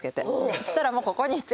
そしたらもうここにいて。